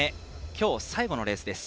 今日最後のレースです。